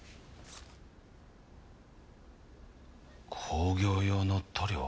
工業用の塗料。